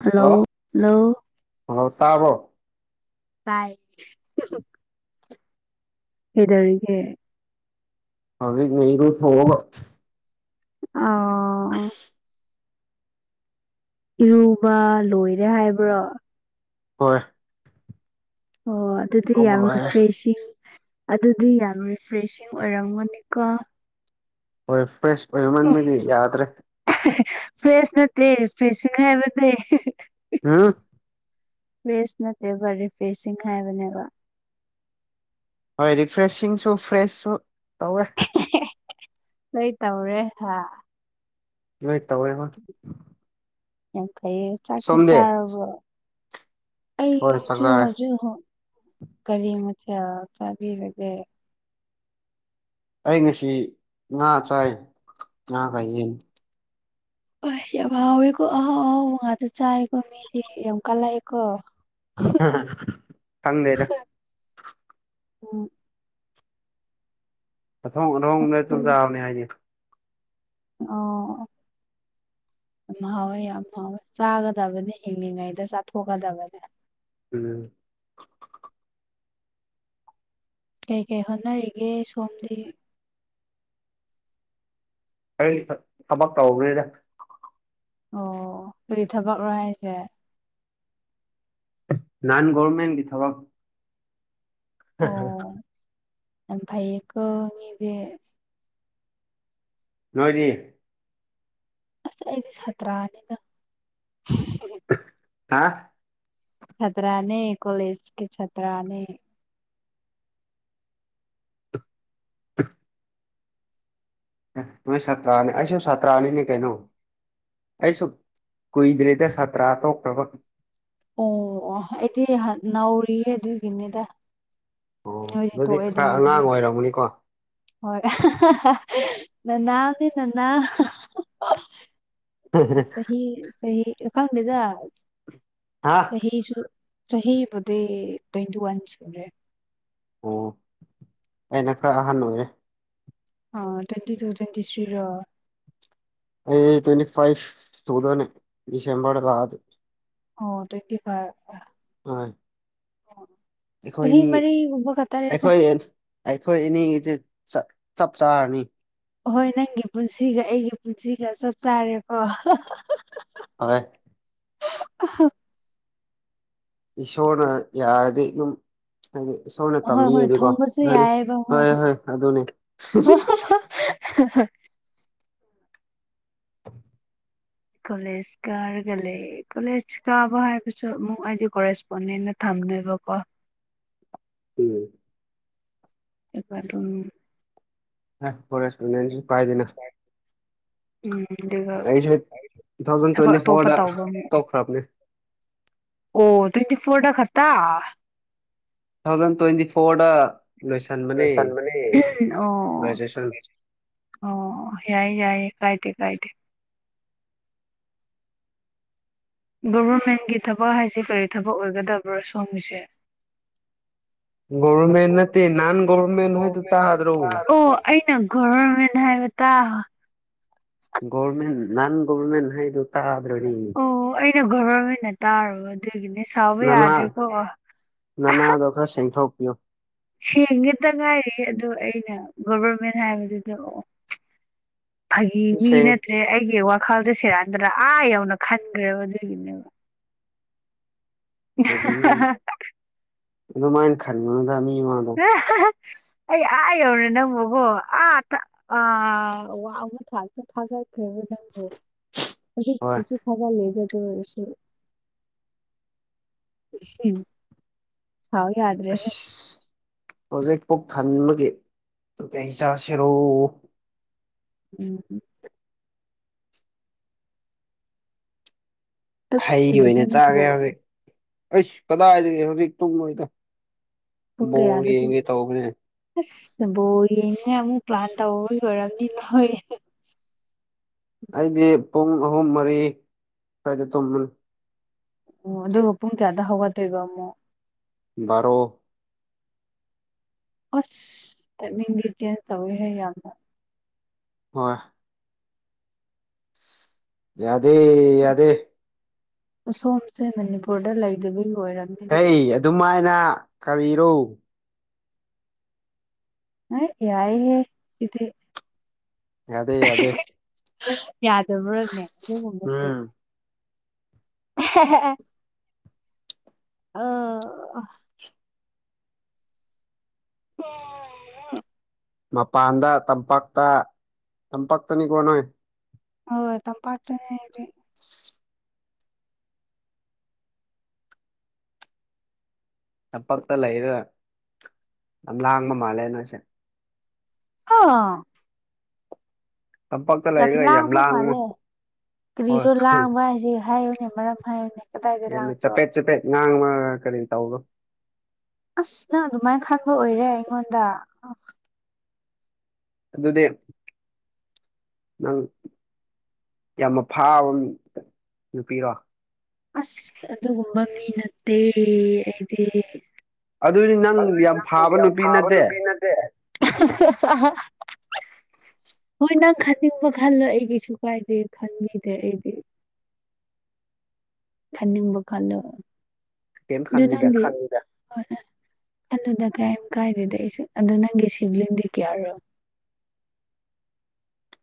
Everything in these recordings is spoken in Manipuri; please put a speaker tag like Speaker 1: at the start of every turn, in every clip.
Speaker 1: ꯍꯜꯂꯣ ꯍꯜꯂꯣ
Speaker 2: ꯇꯕ
Speaker 1: ꯇꯥꯏ ꯍꯗꯒ
Speaker 2: ꯑꯗꯤ ꯉꯔ ꯐꯕ
Speaker 1: ꯑ ꯏꯔꯨꯕ ꯂꯣꯏꯔꯦ ꯍꯥꯏꯕ꯭ꯔꯣ
Speaker 2: ꯍꯣꯏ
Speaker 1: ꯑꯣ ꯑꯗꯨꯗꯤ
Speaker 2: ꯂꯨꯕ
Speaker 1: ꯌꯥꯝ
Speaker 2: ꯂꯣꯏꯔꯦ
Speaker 1: ꯔꯤꯐ꯭ꯔꯦꯁꯤꯡ ꯑꯗꯨꯗꯤ ꯌꯥꯝ ꯔꯤꯐ꯭ꯔꯦꯁꯤꯡ ꯑꯣꯏꯔꯝꯒꯅꯤꯀꯣ
Speaker 2: ꯍꯣꯏ ꯐ꯭ꯔꯦꯁ ꯑꯣꯏꯃꯟꯕꯒꯤ ꯌꯥꯗ꯭ꯔꯦ
Speaker 1: ꯐ꯭ꯔꯦꯁ ꯅꯠꯇꯦ ꯐ꯭ꯔꯦꯁꯁꯤꯡ ꯍꯥꯏꯥꯏꯕꯅꯦ
Speaker 2: ꯍꯥ
Speaker 1: ꯐ꯭ꯔꯦꯁ ꯅꯠꯇꯦ ꯕꯔꯤ ꯐ꯭ꯔꯦꯁꯁꯤꯡꯈꯥꯏꯕꯅꯦꯕ
Speaker 2: ꯍꯣꯏ ꯔꯤꯐ꯭ꯔꯦꯁꯤꯡꯁꯨ ꯐ꯭ꯔꯦꯁꯁꯨ ꯇꯧꯋꯦ
Speaker 1: ꯂꯩꯣꯏ ꯇꯧꯔꯦ ꯍꯥ
Speaker 2: ꯀꯥꯏ ꯇꯑꯣꯃ
Speaker 1: ꯌꯥꯝꯡ ꯐꯩ ꯆꯥꯛꯇꯤ ꯆꯥꯔꯕ
Speaker 2: ꯍꯣꯏ ꯆꯥꯛ
Speaker 1: ꯑꯩꯁꯨꯨ
Speaker 2: ꯆꯥꯔꯦ
Speaker 1: ꯍꯧꯣꯖꯨ ꯍꯣ ꯀꯔꯤ ꯃꯊ ꯆꯥꯕꯤꯦꯔ
Speaker 2: ꯑꯩ ꯉꯁꯤ ꯉꯥ ꯆꯥꯏ ꯉꯥ ꯀꯥꯏ ꯌꯦꯡ
Speaker 1: ꯍ ꯌꯥꯝ ꯍꯥꯎꯋꯦꯀꯣ ꯑꯍꯥꯎ ꯑꯍꯥꯎ ꯉꯥꯛꯇ ꯆꯥꯏꯑꯀꯣ ꯃꯤꯗꯤ ꯌꯥꯝ ꯀꯥꯜꯂꯛꯑꯦꯀꯣ
Speaker 2: ꯊꯪꯅꯦꯔ
Speaker 1: ꯑꯣ
Speaker 2: ꯑꯊꯣꯡ ꯑꯊꯣꯡꯅ ꯆꯨꯝ
Speaker 1: ꯆꯝꯐꯨꯠ
Speaker 2: ꯆꯥꯕꯅꯦ ꯍꯥꯏꯅꯤ
Speaker 1: ꯑꯣ ꯌꯥꯝ ꯍꯥꯎꯋꯦ ꯌꯥꯝ ꯍꯥꯎꯋꯦ ꯆꯥꯒꯗꯕꯅꯦ ꯍꯤꯡꯂꯤꯉꯩꯗ ꯆꯥꯊꯣꯛꯀꯗꯕꯅꯦ
Speaker 2: ꯎꯝ
Speaker 1: ꯀꯩ ꯀꯩ ꯍꯣꯠꯅꯔꯤꯒꯦ ꯁꯣꯝꯗꯤ
Speaker 2: ꯀꯔꯤ ꯊꯕꯛ ꯇꯧꯈ꯭ꯔꯦꯗ
Speaker 1: ꯑꯣ ꯀꯔꯤ ꯊꯕꯛꯔꯣ ꯍꯥꯏꯁꯦ
Speaker 2: ꯅꯟ ꯒꯣꯔꯃꯦꯟꯒꯤ ꯊꯕꯛ [unintelligible]
Speaker 1: ꯚꯩꯀ ꯃꯤꯗꯤꯦ
Speaker 2: ꯅꯣꯏꯅꯦ
Speaker 1: ꯑꯁ ꯑꯩꯗꯤ ꯁꯇꯔꯥꯅꯤꯗ
Speaker 2: ꯍꯥ
Speaker 1: ꯆꯇ꯭ꯔꯥꯅꯤ ꯀꯣꯂꯦꯖ ꯀ ꯆꯇ꯭ꯔꯥꯅꯤ
Speaker 2: [unintelligible] ꯅꯣꯏ ꯁꯥꯇ꯭ꯔꯥꯅꯤ ꯑꯩꯁꯨ ꯁꯥꯇ꯭ꯔꯥꯅꯤꯅꯦ ꯀꯩꯅꯣ ꯑꯁꯨꯨ ꯀꯨꯏꯗ ꯔꯔꯤꯇ ꯁꯇ꯭ꯔꯥꯇꯣ ꯄ꯭ꯔꯕꯛꯇ
Speaker 1: ꯑꯣ ꯑꯣ ꯑꯩꯗꯤ ꯅꯅꯥꯧꯔꯤꯌꯦ ꯑꯗꯨꯒꯤꯅꯤꯗ
Speaker 2: ꯑꯣ
Speaker 1: ꯅꯣꯏꯗꯤꯦ
Speaker 2: ꯑꯗꯨꯗꯤ ꯈꯔ
Speaker 1: ꯇꯣꯛꯑꯦꯗꯅꯗꯤ
Speaker 2: ꯑꯉꯥꯡ ꯑꯣꯏꯔꯝꯒꯅꯤꯀꯣ
Speaker 1: ꯍꯣꯏ ꯅꯅꯥ ꯅꯅꯥ ꯁ ꯁ ꯀꯪꯗ
Speaker 2: ꯍꯥ
Speaker 1: ꯍꯁꯨ ꯆꯍꯤꯍꯤꯦ ꯇ꯭ꯋꯦꯟꯇꯤ ꯋꯥꯟ꯭ꯔꯦ
Speaker 2: ꯑꯣ ꯑꯩꯅ ꯈꯔ ꯑꯍꯟ ꯑꯣꯏꯔꯦ
Speaker 1: ꯑ ꯇ꯭ꯋꯦꯟꯇꯤ ꯇꯨ ꯇ꯭ꯋꯦꯟꯇꯤ ꯊ꯭ꯔꯤ ꯔ
Speaker 2: ꯑꯩꯋ ꯐꯥꯏꯚ ꯇꯨꯗꯅꯦ ꯗꯤꯁꯝꯕ ꯂꯗ
Speaker 1: ꯑꯣ ꯇ꯭ꯋꯦꯟꯇꯤ ꯐꯥꯏꯚ
Speaker 2: ꯍ
Speaker 1: ꯑꯣ
Speaker 2: ꯑꯩꯈꯣꯏꯅꯤ ꯑꯩꯈꯣꯏ ꯑꯩꯈꯣꯏꯅꯤ ꯆ ꯆꯞ ꯆꯥꯔꯅꯤ
Speaker 1: ꯍꯍꯣꯏ ꯅꯪꯒꯤ ꯄꯨꯟꯁꯤꯒ ꯑꯩꯒꯤ ꯄꯨꯟꯁꯤꯒ ꯆꯞ ꯆꯥꯔꯦꯀꯣ
Speaker 2: ꯑꯦ
Speaker 1: ꯑ
Speaker 2: ꯏꯁꯣꯅ ꯌꯥꯔꯗꯝ ꯍꯥꯏꯗꯤ ꯏꯁꯣꯝꯅ
Speaker 1: ꯍꯣꯏ ꯍꯣꯏ ꯊꯨꯡꯕꯁꯨ
Speaker 2: ꯇꯝꯕꯤꯌꯦꯗꯤꯀꯣꯗꯤ
Speaker 1: ꯌꯥꯏꯑꯕ
Speaker 2: ꯍꯣꯏ ꯍꯣꯏ ꯑꯗꯨꯅꯦ
Speaker 1: ꯍꯣꯏ [unintelligible] ꯀꯣꯂꯦꯖ ꯀꯥꯔꯒ ꯂꯩ ꯀꯣꯂꯦꯖ ꯀꯥꯕ ꯍꯥꯏꯕꯁꯨ ꯑꯃꯨꯛ ꯑꯩꯗꯤ ꯀꯣꯔꯦꯁꯄꯣꯟꯗꯦꯟꯅ ꯊꯝꯃꯦ ꯕꯀꯣ
Speaker 2: ꯎꯝ
Speaker 1: ꯑꯦꯄꯥ ꯑꯗꯨꯝ
Speaker 2: ꯐꯔꯦꯁ ꯄꯥꯏꯗꯅ
Speaker 1: ꯎꯝ ꯑꯗꯨꯒ
Speaker 2: ꯑꯩꯁꯦ ꯇꯨ ꯊꯥꯎꯖꯟ
Speaker 1: ꯊꯕꯛ
Speaker 2: ꯇ꯭ꯋꯦꯟꯇꯤ
Speaker 1: ꯑꯇꯣꯞꯄ
Speaker 2: ꯐꯣꯔꯗ
Speaker 1: ꯇꯧꯕ ꯑꯃꯨ
Speaker 2: ꯇꯣꯛꯈ꯭ꯔꯕꯅꯦ
Speaker 1: ꯑꯣ ꯇ꯭ꯋꯦꯟꯇꯤ ꯐꯣꯔ ꯈꯠꯇ
Speaker 2: [unintelligible] ꯇꯨ ꯊꯥꯎꯖꯟ ꯇ꯭ꯋꯦꯟꯇꯤ ꯐꯣꯔꯗ ꯂꯣꯏꯁꯟꯕꯅꯦ
Speaker 1: ꯑꯣ
Speaker 2: ꯒ꯭ꯔꯦꯖꯨꯑꯦꯁꯟo
Speaker 1: ꯑꯣ ꯌꯥꯏꯏ ꯌꯥꯏꯌꯦ ꯀꯥꯏ ꯇ ꯀꯥꯏ ꯇ ꯒꯣꯚꯔꯃꯦꯟꯒꯤ ꯊꯕꯛ ꯍꯥꯏꯁꯦ ꯀꯔꯤ ꯊꯕꯛ ꯑꯣꯏꯒꯗꯕ꯭ꯔꯣ ꯁꯣꯝꯒꯤꯁꯦ
Speaker 2: ꯧꯔꯃꯦꯟ ꯅꯠꯇꯦ ꯅꯟ ꯒꯔꯃꯦꯟ ꯍꯥꯏ ꯇ ꯇ꯭ꯔꯣ
Speaker 1: ꯔ ꯃꯅꯕꯇꯥ
Speaker 2: ꯒꯃꯦꯟ ꯍꯥꯏ ꯑꯗꯨ
Speaker 1: ꯑꯣ ꯑꯩꯅ ꯒꯣꯕꯔ ꯑꯣꯏꯅ ꯇꯥꯔꯕ ꯑꯗꯨꯒꯤꯅꯤ
Speaker 2: ꯅꯅꯥ ꯅꯅꯥꯗꯣ ꯈꯔ ꯁꯦꯡꯊꯣꯛꯄꯤꯤꯌꯣ
Speaker 1: ꯁꯦꯡꯒꯤꯦꯇ ꯉꯥꯏꯔꯤ ꯑꯗꯣ ꯑꯩꯅ ꯒꯚꯔꯃꯦꯟ ꯍꯥꯏꯕꯗꯨꯗ ꯑꯣ ꯐꯥꯒꯤ ꯃꯤ
Speaker 2: ꯁꯦꯡ
Speaker 1: ꯅꯠꯇ꯭ꯔꯦ ꯑꯩꯒꯤ ꯋꯥꯈꯜꯗ ꯁꯔꯥꯟꯗ꯭ꯔꯥ ꯑꯥ ꯌꯧꯅ ꯈꯟꯈ꯭ꯔꯦꯕ ꯑꯗꯨꯒꯤꯅꯦꯕ
Speaker 2: ꯑꯗꯨꯗꯤ ꯅꯪ
Speaker 1: [unintelligible]
Speaker 2: ꯑꯗꯨꯃꯥꯏꯅ ꯈꯔꯉꯗ ꯃꯤꯃꯗꯣ
Speaker 1: ꯑꯩ ꯑꯥ ꯌꯧꯔꯦ ꯅꯪ ꯃꯕꯣ ꯑꯥ ꯑ ꯋꯥ ꯑꯃ ꯊꯥ ꯊꯥꯖ ꯁꯨ
Speaker 2: ꯍꯣꯏ
Speaker 1: ꯊꯕ ꯂꯩꯒꯦ ꯁ ꯎꯝ ꯍꯥꯎ ꯌꯥꯗ꯭ꯔꯦ
Speaker 2: ꯑꯣꯖꯦꯛ ꯄꯣꯛ ꯊꯥꯟ ꯂꯒꯦ ꯀ ꯍ ꯆ ꯁꯦꯔꯣ
Speaker 1: ꯎꯝꯝ
Speaker 2: ꯍꯩꯗꯤ ꯑꯣꯏꯅ
Speaker 1: ꯇꯨꯝꯅꯤꯡꯗ꯭ꯔꯤꯕꯣ
Speaker 2: ꯆꯥꯒꯦ
Speaker 1: ꯅꯪꯕꯣ
Speaker 2: ꯍꯧꯖꯤꯛ ꯑꯩꯁ ꯀꯗꯥꯏꯗꯒꯦ ꯍꯧꯖꯤꯛ ꯇꯨꯡꯂꯣꯏꯗ
Speaker 1: ꯄꯨꯡ
Speaker 2: ꯣꯜ ꯌꯦꯡꯒꯦ ꯇꯧꯧꯕꯅꯦ
Speaker 1: ꯕꯣꯡꯅꯦ ꯑꯃꯨꯛ ꯄ꯭ꯂꯥꯟ ꯇꯧꯣꯏ ꯑꯣꯏꯣꯏꯔꯕꯅꯤ ꯅꯣꯏ
Speaker 2: ꯑꯩꯗꯤ ꯄꯨꯡ ꯑꯍꯨꯝ ꯃꯔꯤ ꯁ꯭ꯋꯥꯏꯗ ꯇꯨꯝꯝꯕꯅꯤ
Speaker 1: ꯑꯣ ꯑꯗꯨꯒ ꯄꯨꯡ ꯀꯌꯥꯗ ꯍꯧꯒꯠꯇꯣꯏꯕ ꯑꯃꯣ
Speaker 2: ꯃꯔꯔꯣ
Speaker 1: ꯑꯁ ꯏꯒꯔꯤꯗꯤꯌꯦꯟꯁ ꯇꯧꯋꯤ ꯍꯥꯏ ꯌꯥꯝꯅ
Speaker 2: ꯋꯥ ꯌꯥꯗꯦ ꯌꯥꯗꯦ
Speaker 1: ꯑꯁꯣꯝꯁꯦ ꯃꯅꯤꯄꯨꯔꯗ ꯂꯩꯗꯕꯤ
Speaker 2: ꯑꯩ ꯑꯗꯨꯃꯥꯏꯅ ꯀꯔꯤꯔꯣ
Speaker 1: ꯑ ꯌꯥꯏꯌꯦꯦ ꯏꯗꯤꯦ
Speaker 2: ꯑꯗꯦ ꯑꯗꯦ
Speaker 1: ꯌꯥꯗꯕ꯭ꯔꯅꯦ ꯑꯗꯨꯒꯨꯝꯕꯁ
Speaker 2: ꯎꯝ
Speaker 1: ꯑ ꯑꯣ
Speaker 2: ꯃꯄꯥꯟꯗ ꯇꯝꯄꯥꯛꯇ ꯇꯝꯄꯥꯛꯛꯇꯅꯤꯀꯣ ꯅꯣꯏ
Speaker 1: ꯍ ꯇꯝꯄꯥꯇꯅꯦꯦ ꯏꯗꯤ
Speaker 2: ꯆꯝꯄꯛꯇ ꯂꯩꯔꯣꯏ ꯌꯥꯝ ꯂꯥꯡꯕ ꯃꯥꯜꯂꯦ ꯅꯣꯏꯁꯦ
Speaker 1: ꯑꯥ
Speaker 2: ꯇꯝꯄꯥꯛꯇ
Speaker 1: ꯌꯥꯝ
Speaker 2: ꯂꯩꯔꯒ
Speaker 1: ꯂꯥꯡꯕ
Speaker 2: ꯂꯥꯡꯉꯨ
Speaker 1: ꯃꯥꯜꯂꯦ
Speaker 2: ꯍꯣꯏ
Speaker 1: ꯀꯔꯤꯅꯣ ꯂꯥꯡꯕ ꯍꯥꯏꯁꯦ ꯍꯥꯏꯌꯨꯅꯦ ꯃꯔꯝ ꯍꯥꯏꯌꯨꯅꯦ ꯀꯗꯥꯏꯗ
Speaker 2: ꯌꯥꯝꯅ
Speaker 1: ꯂꯥꯡꯕ꯭ꯔꯣ
Speaker 2: ꯆꯄꯦꯠ ꯆꯄꯦꯠ ꯉꯥꯡꯕ ꯀꯔꯤ ꯇꯧꯕꯣ
Speaker 1: ꯑꯁ ꯅꯪ ꯑꯗꯨꯃꯥꯏꯅ ꯈꯟꯕ ꯑꯣꯏꯔꯦ ꯑꯩꯉꯣꯟꯗ
Speaker 2: ꯑꯗꯨꯗꯤ ꯅꯪ ꯌꯥꯝꯅ ꯐꯥꯕ ꯅꯨꯄꯤꯔꯣ
Speaker 1: ꯑꯁ ꯑꯗꯨꯒꯨꯝꯕ ꯃꯤ ꯅꯠꯇꯦ ꯑꯩꯗꯤ
Speaker 2: ꯑꯗꯨꯗꯤ ꯅꯪ
Speaker 1: ꯑꯗꯨꯗꯤ
Speaker 2: ꯌꯥꯝ
Speaker 1: ꯅꯪ
Speaker 2: ꯐꯥꯕ
Speaker 1: ꯌꯥꯝ
Speaker 2: ꯅꯨꯄꯤ
Speaker 1: ꯊꯥꯕ
Speaker 2: ꯅꯠꯇꯦ
Speaker 1: ꯅꯨꯄꯤ ꯅꯠꯇꯦ [inaudible] [unintelligible] ꯍꯣꯏ ꯅꯪ ꯈꯟꯅꯤꯡꯕ ꯈꯜꯂꯣ ꯑꯩꯒꯤꯁꯨ ꯀꯥꯏꯗꯦ ꯈꯟꯕꯤꯗꯦ ꯑꯩꯗꯤ
Speaker 2: [inaudible]
Speaker 1: ꯈꯥꯟ ꯅꯤꯡꯕ ꯀꯜꯂꯣ
Speaker 2: ꯀꯩꯝ ꯈꯟꯗꯦꯗ [inaudible]
Speaker 1: ꯑꯗꯨꯗ ꯀꯔꯤꯝ ꯀꯥꯏꯗꯦꯗ ꯑꯩꯁꯨ ꯑꯗꯨꯗꯣ ꯅꯪꯒꯤ ꯁꯤꯕꯂꯤꯡꯗꯤ ꯀꯌꯥꯔꯣ
Speaker 2: [inaudible]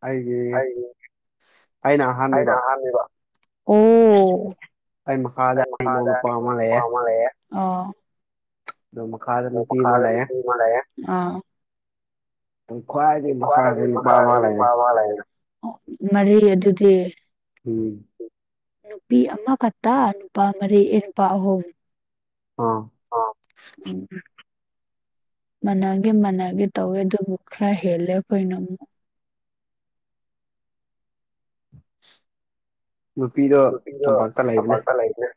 Speaker 2: ꯑꯩꯒꯤ
Speaker 1: ꯑꯩ
Speaker 2: ꯑꯩꯅ ꯑꯍꯥꯟꯕꯅꯦꯕ
Speaker 1: ꯑꯣ
Speaker 2: ꯑꯩ ꯑꯩ
Speaker 1: ꯃꯈꯥꯗ
Speaker 2: ꯏꯅꯥꯎꯅꯨꯄꯥ
Speaker 1: ꯑꯅꯤ
Speaker 2: ꯑꯃ
Speaker 1: ꯄꯣꯛ ꯄꯥ ꯂꯩꯌꯦ
Speaker 2: ꯑꯗꯨ ꯃꯈꯥꯗ ꯅꯨꯄꯤ
Speaker 1: ꯃꯈꯥ
Speaker 2: ꯑꯃ
Speaker 1: ꯗ
Speaker 2: ꯂꯩꯌꯦ
Speaker 1: ꯅꯨꯄꯤ ꯑꯃ ꯂꯩ ꯌꯦ
Speaker 2: ꯑꯩ ꯈ꯭ꯋꯥꯏꯗꯒꯤ
Speaker 1: ꯅꯨꯄꯥ
Speaker 2: ꯃꯈꯥꯁꯦ
Speaker 1: ꯗꯨꯒꯤ
Speaker 2: ꯅꯨꯄꯥ
Speaker 1: ꯃꯈꯥ
Speaker 2: ꯑꯃ
Speaker 1: ꯗ ꯅꯨꯄꯥ
Speaker 2: ꯂꯩꯌꯦ
Speaker 1: ꯑꯃꯒꯥ ꯂꯩ ꯌꯦ ꯃꯔꯤ ꯑꯗꯨꯗꯤ
Speaker 2: ꯎꯝ
Speaker 1: ꯅꯨꯄꯤ ꯑꯃ ꯈꯠꯇꯥ ꯅꯨꯄꯥ ꯃꯔꯤ ꯑꯦ ꯅꯨꯄꯥ ꯑꯍꯨꯝ
Speaker 2: ꯑꯥ
Speaker 1: ꯑ ꯃꯅꯥꯒꯦ ꯃꯅꯥꯒꯦ ꯇꯧꯋꯦꯗꯨ ꯃꯈ꯭ꯔꯥ ꯍꯦꯜꯂꯦ ꯑꯩꯈꯣꯌꯅ ꯑꯃꯨꯛ
Speaker 2: ꯅꯨꯄꯤꯗꯣ
Speaker 1: ꯅꯨꯄꯤ ꯗꯣ
Speaker 2: ꯇꯝꯄꯥꯛꯇ ꯂꯩꯕꯅꯦ
Speaker 1: ꯃꯄꯥꯟꯗꯥ ꯂꯩꯌꯦ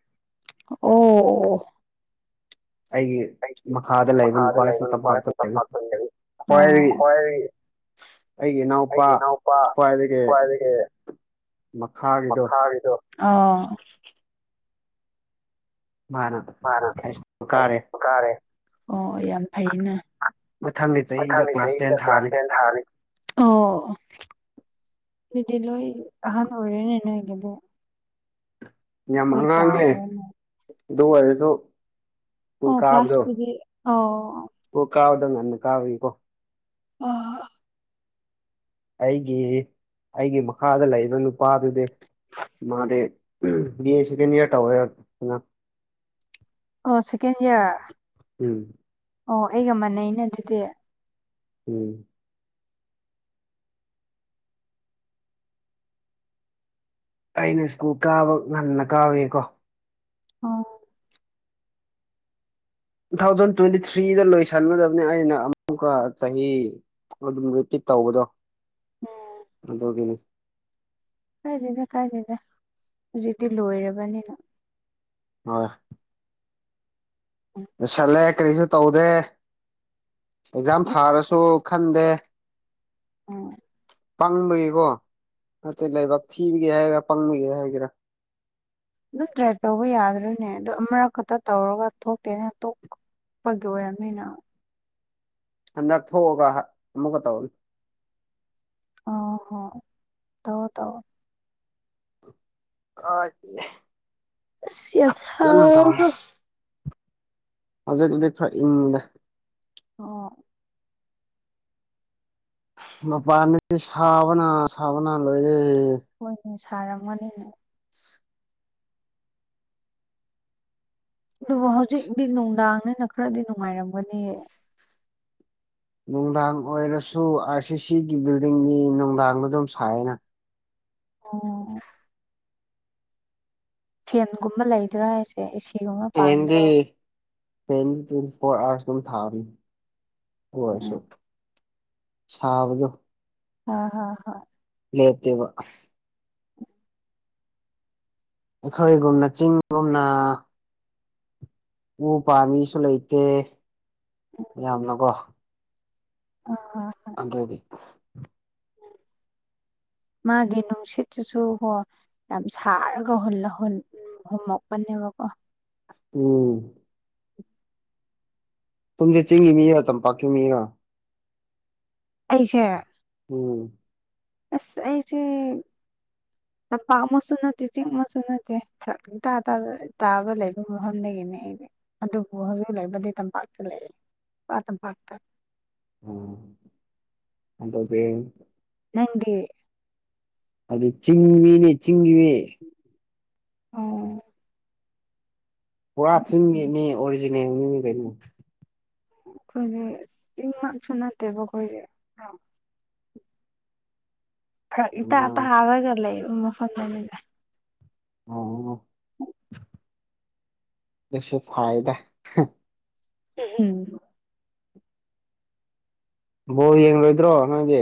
Speaker 2: ꯑꯩꯒꯤ
Speaker 1: ꯑꯩꯒꯤ
Speaker 2: ꯃꯈꯥꯗ ꯂꯩꯕ
Speaker 1: ꯃꯈꯥ ꯗ
Speaker 2: ꯅꯨꯄꯥꯁꯨ
Speaker 1: ꯂꯩꯕꯥ ꯅꯨꯄꯥ [unintelligible]
Speaker 2: ꯇꯝꯄꯥꯛꯇ ꯂꯩꯕ
Speaker 1: ꯑꯩꯈꯣꯏ
Speaker 2: ꯈ꯭ꯋꯥꯏꯗꯒꯤ ꯑꯩꯒꯤ ꯏꯅꯥꯎꯄꯥ
Speaker 1: ꯑꯩꯒꯤ ꯅꯎꯄꯥ
Speaker 2: ꯈ꯭ꯋꯥꯏꯗꯒꯤ
Speaker 1: ꯈꯋꯥꯏꯗꯒꯤ
Speaker 2: ꯃꯈꯥꯒꯤꯗꯣ
Speaker 1: ꯃꯈꯥ ꯒꯤ ꯗꯣ
Speaker 2: [inaudible] ꯃꯥꯅ
Speaker 1: ꯃꯥꯅ
Speaker 2: ꯍꯥꯏ ꯁꯀꯨꯜ
Speaker 1: ꯑꯩ
Speaker 2: ꯀꯥꯔꯦ
Speaker 1: ꯀꯥꯔꯦ ꯑꯣ ꯌꯥꯝ ꯐꯩꯅꯦ
Speaker 2: ꯃꯊꯪꯒꯤ ꯆꯍꯤꯗ
Speaker 1: ꯃꯊꯪ ꯒꯤ
Speaker 2: ꯀ꯭ꯂꯥꯁ ꯇꯦꯟ
Speaker 1: ꯆꯥꯍꯤꯗ ꯀ꯭ꯂꯥꯁ
Speaker 2: ꯊꯥꯔꯅꯤ
Speaker 1: ꯇꯦꯟ ꯊꯥꯅꯤ ꯑꯣ ꯑꯗꯨꯗꯤ ꯂꯣꯏ ꯑꯍꯥꯟ ꯑꯣꯏꯔꯦꯅꯦ ꯅꯣꯏ ꯒꯤꯗꯤ
Speaker 2: ꯌꯥꯝ ꯑꯉꯥꯡꯅꯦ ꯑꯗꯨ ꯑꯣꯏꯔꯤꯗꯨ
Speaker 1: ꯑꯣ ꯀ꯭ꯂꯥꯁ ꯄꯨꯗꯤ ꯑꯣ
Speaker 2: ꯑꯣ ꯀꯥꯅꯗꯥ ꯉꯟꯅ ꯀꯥꯕꯒꯤꯀꯣ
Speaker 1: ꯑ
Speaker 2: ꯑꯩꯒꯤ ꯑꯩꯒꯤ ꯃꯈꯥꯗ ꯂꯩꯔꯤꯕ ꯅꯨꯄꯥꯗꯨꯗꯤ ꯃꯥꯗꯤ ꯕꯤꯌꯦ ꯁꯀꯦꯟ ꯏꯌꯔ ꯇꯧꯔꯦ
Speaker 1: ꯑꯣ ꯁꯦꯀꯦꯟ ꯏꯌꯥꯔ
Speaker 2: ꯎꯝ
Speaker 1: ꯑꯣ ꯑꯩꯒ ꯃꯥꯟꯅꯩꯅꯦ ꯑꯗꯨꯗꯤ
Speaker 2: ꯎꯝ ꯑꯩꯅ ꯁ꯭ꯀꯨꯜ ꯀꯥꯕ ꯉꯟꯅ ꯀꯥꯕꯒꯤꯀꯣ
Speaker 1: ꯑꯣ
Speaker 2: ꯇꯨ ꯊꯥꯎꯖꯟ ꯇ꯭ꯋꯦꯟꯇꯤ ꯊ꯭ꯔꯤꯗ ꯂꯣꯏꯁꯟꯒꯗꯕꯅꯤ ꯑꯩꯅ ꯑꯃꯨꯛꯀ ꯆꯍꯤ ꯑꯗꯨꯝ ꯔꯦꯄꯤꯠ ꯇꯧꯕꯗꯣ
Speaker 1: ꯎꯝ
Speaker 2: ꯑꯗꯨꯒꯤꯅꯤ
Speaker 1: ꯀꯥꯏꯗꯦꯗ ꯀꯥꯏꯗꯦꯗ ꯍꯧꯖꯤꯛꯇꯤ ꯂꯣꯏꯔꯕꯅꯤꯅ
Speaker 2: ꯑ
Speaker 1: ꯎꯝ
Speaker 2: ꯂꯣꯏꯁꯜꯂꯦ ꯀꯔꯤꯁꯨ ꯇꯧꯗꯦ ꯑꯦꯛꯖꯥꯝ
Speaker 1: ꯎꯝ
Speaker 2: ꯊꯥꯔꯁꯨ ꯈꯟꯗꯦ
Speaker 1: ꯎꯝ
Speaker 2: ꯄꯥꯡꯕꯒꯤꯦꯀꯣ ꯅꯇꯩ ꯂꯩꯥꯏꯕꯥꯛ ꯊꯤꯕꯒꯦ ꯍꯥꯏꯒꯦꯔꯥ ꯄꯥꯡꯕꯒꯦ ꯍꯥꯏꯒꯦꯔꯥ
Speaker 1: ꯑꯗꯨꯝ ꯇ꯭ꯔꯥꯏ ꯇꯧꯕ ꯌꯥꯗ꯭ꯔꯣꯏꯅꯦ ꯑꯗꯨ ꯑꯃꯔꯛ ꯈꯛꯇ ꯇꯧꯔꯒ ꯊꯣꯛꯇꯦꯅꯣꯛ ꯄꯒꯤꯦ ꯑꯣꯏꯔꯃꯦꯅ
Speaker 2: ꯍꯟꯗꯛ ꯊꯣꯛꯑꯒ ꯑꯃꯨꯛꯀ ꯇꯧꯅꯨ
Speaker 1: ꯑ ꯍꯣ ꯇꯣ ꯇꯧ
Speaker 2: ꯑ
Speaker 1: ꯌꯥ ꯊꯔ
Speaker 2: ꯍꯖꯤꯔ ꯎꯗ ꯈꯣꯔ ꯏꯗ
Speaker 1: ꯑꯣ
Speaker 2: ꯅꯨꯄꯥꯥꯟ ꯁꯕꯅ ꯁꯕꯅ ꯂꯣꯏꯔꯦ
Speaker 1: ꯁꯥꯔꯝꯃꯅꯤꯅꯦ ꯑꯗꯨꯕꯨ ꯍꯧꯖꯤꯛꯇꯤ ꯅꯨꯡꯗꯥꯡꯅꯤꯅ ꯈꯔꯗꯤ ꯅꯨꯡꯉꯥꯏꯔꯝꯒꯅꯤꯌꯦ
Speaker 2: ꯅꯨꯡꯗꯥꯡ ꯑꯣꯏꯔꯁꯨ ꯑꯥꯔ ꯁꯤ ꯁꯤꯒꯤ ꯕꯤꯜꯗꯤꯡꯅꯤ ꯅꯨꯡꯗꯥꯡꯗ ꯑꯗꯨꯝ ꯁꯥꯏꯅ
Speaker 1: ꯑꯣ ꯐꯦꯟꯒꯨꯝꯕ ꯂꯩꯗ꯭ꯔꯥ ꯍꯥꯏꯁꯦ ꯑꯦꯒꯨꯝꯅ ꯄꯥꯟꯗ꯭ꯔꯣ
Speaker 2: ꯦꯟ ꯇ꯭ꯋꯦꯟꯇꯤ ꯐꯣꯔ ꯑꯋꯥꯔꯁ ꯑꯗꯨꯝ ꯊꯥꯅꯤ ꯑꯣꯏꯔꯁꯨ
Speaker 1: ꯎꯝ
Speaker 2: ꯁꯥꯥꯕꯖꯣ
Speaker 1: ꯑ ꯍ ꯍ
Speaker 2: ꯂꯩꯇꯕ ꯑꯩꯈꯣꯏꯒꯨꯝꯅ ꯆꯤꯡꯒꯨꯝꯅ ꯎ ꯄꯥꯝꯃꯤꯁꯨ ꯂꯩꯇꯦ ꯌꯥꯝꯅꯀꯣ
Speaker 1: ꯑ
Speaker 2: ꯑꯗꯗꯤ [inaudible]
Speaker 1: ꯃꯥꯒꯤ ꯅꯨꯡꯁꯤꯠꯇꯨꯁꯨ ꯍꯣ ꯌꯥꯝ ꯁꯥꯔꯒ ꯍ ꯍꯣꯝ ꯋꯥꯥꯛ ꯄꯅꯤꯦ ꯋꯥꯀꯣ
Speaker 2: ꯎꯝ ꯇꯨꯡꯁꯦ ꯆꯤꯡꯒꯤ ꯃꯤꯔꯥ ꯇꯝꯄꯥꯛꯀꯤ ꯃꯤꯔꯥ
Speaker 1: ꯑꯩꯁꯦ
Speaker 2: ꯎꯝ
Speaker 1: ꯑꯁ ꯑꯩꯁꯤꯦ ꯇꯝꯄꯥꯛ ꯃꯨ ꯅꯠꯇꯦ ꯆꯤꯡ ꯃꯨ ꯅꯠꯇꯦ ꯐꯔ ꯇꯥꯕ ꯂꯩꯕ ꯃꯐꯝꯗꯒꯤꯅꯦ ꯑꯗꯨꯕꯨ ꯍꯧꯖꯤꯛ ꯂꯩꯕꯗꯤ ꯇꯝꯄꯥꯛꯇ ꯂꯩꯔꯥ ꯇꯝꯄꯥꯛꯇ
Speaker 2: ꯑ ꯑꯗ
Speaker 1: ꯅꯪꯦ
Speaker 2: ꯑꯗ ꯆꯤꯤꯡꯃꯤꯅꯦ ꯆꯤꯦ
Speaker 1: ꯑꯣ
Speaker 2: ꯄꯨꯔꯥ ꯆꯤꯟꯒꯤꯅꯦ ꯑꯣꯔꯤꯖꯤꯅꯦꯜꯅꯤꯅꯤ ꯀꯩꯅꯣ
Speaker 1: ꯑꯩꯈꯣꯏꯒꯤ ꯏꯪꯃꯛꯁꯨ ꯅꯠꯇꯦꯕ ꯑꯩꯈꯣꯏꯒꯤ
Speaker 2: [unintelligible]
Speaker 1: ꯏ ꯑ
Speaker 2: ꯑꯥ
Speaker 1: ꯍꯥꯋꯥꯒꯂ ꯃꯁꯗ
Speaker 2: ꯀꯁꯦ ꯐꯥꯏꯗ
Speaker 1: ꯎꯝ
Speaker 2: ꯕꯣ ꯌꯦꯡꯂꯡꯔꯣꯏꯗ꯭ꯔꯣ ꯅꯪꯒꯤ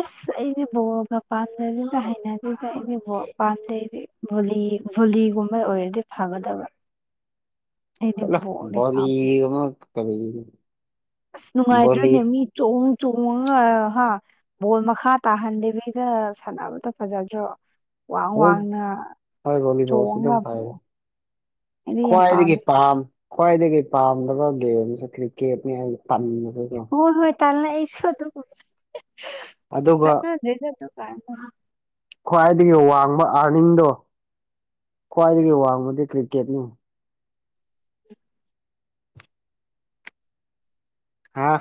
Speaker 1: ꯑꯁ ꯑꯩꯅꯦ ꯕꯣꯑꯒ ꯄꯥꯝꯅꯕꯤꯗ ꯍꯩꯅꯕꯤꯗ ꯑꯩꯅꯕ ꯄꯥꯝꯖꯩꯁ ꯣꯂꯤ ꯚꯨꯂꯤꯒꯨꯝꯕ ꯑꯣꯏꯔꯗꯤ ꯐꯒꯗꯕ
Speaker 2: [unintelligible]
Speaker 1: ꯑꯩꯗꯤ
Speaker 2: ꯍꯂꯣ
Speaker 1: ꯕꯣꯜꯗꯤ
Speaker 2: ꯣ
Speaker 1: ꯄꯥꯝꯗꯦ
Speaker 2: ꯑꯃꯃ ꯀ
Speaker 1: ꯑꯁ ꯅꯨꯡꯉꯥꯏꯗ꯭ꯔꯅꯦ ꯃꯤ ꯆꯣꯡ ꯆꯣꯡꯉꯒ ꯍꯥ ꯕꯣꯜ ꯃꯈꯥ ꯇꯥꯍꯟꯗꯦꯕꯤꯗ ꯁꯥꯟꯅꯕꯇ ꯐꯖꯗ꯭ꯔꯣ ꯋꯥꯡ
Speaker 2: ꯑꯗꯨꯝ
Speaker 1: ꯋꯥꯡꯅ
Speaker 2: ꯍꯣꯏ ꯚꯣꯂꯤꯕꯣꯜꯁꯨ ꯑꯗꯨꯝ
Speaker 1: ꯇꯣꯉ ꯄ
Speaker 2: ꯐꯩ ꯈ꯭ꯋꯥꯏꯗꯒꯤ ꯄꯝ ꯈ꯭ꯋꯥꯏꯗꯒꯤ ꯄꯥꯝꯗꯕ ꯒꯦꯝꯁꯦ ꯀ꯭ꯔꯤꯛꯀꯦꯠꯅꯤ ꯍꯥꯏ ꯇꯟꯁꯨ
Speaker 1: ꯍꯣꯏ ꯍꯣꯏ ꯇꯜꯂꯦ ꯑꯩꯁꯨ ꯇ
Speaker 2: ꯑꯗꯨꯒ
Speaker 1: ꯆꯠꯅꯖ ꯇ ꯀ
Speaker 2: ꯈ꯭ꯋꯥꯏꯗꯒꯤ ꯋꯥꯡꯕ ꯑꯥꯔꯅꯤꯡꯗꯣ ꯈ꯭ꯋꯥꯏꯗꯒꯤ ꯋꯥꯡꯕꯗꯤ ꯀ꯭ꯔꯤꯛꯀꯦꯠꯅꯤ ꯍꯥꯥ